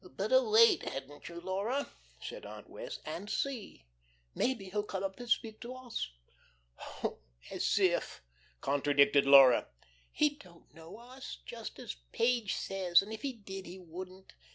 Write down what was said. "Better wait, hadn't you, Laura," said Aunt Wess', "and see. Maybe he'll come up and speak to us." "Oh, as if!" contradicted Laura. "He don't know us, just as Page says. And if he did, he wouldn't.